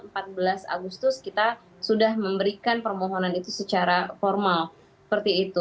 empat belas agustus kita sudah memberikan permohonan itu secara formal seperti itu